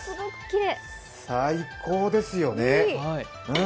最高ですよね。